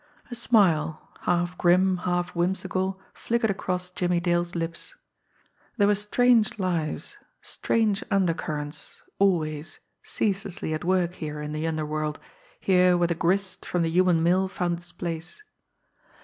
A smile, half grim, half whimsical, flickered across Jimmie Dale's lips. There were strange lives, strange undercurrents, always, ceaselessly, at work here in the underworld, here where the grist from the human mill found its place.